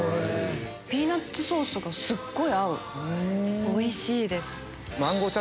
ピーナツソースがすっごい合うおいしいです。